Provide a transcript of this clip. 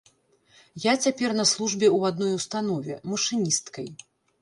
Я цяпер на службе ў адной установе, машыністкай.